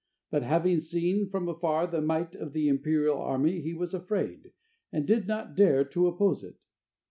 But having seen from afar the might of the imperial army, he was afraid, and did not dare to oppose it.